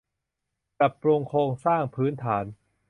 ปรับปรุงโครงสร้างพื้นฐาน